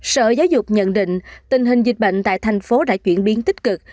sở giáo dục nhận định tình hình dịch bệnh tại thành phố đã chuyển biến tích cực